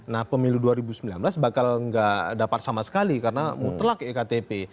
nah pemilu dua ribu sembilan belas bakal nggak dapat sama sekali karena mutlak iktp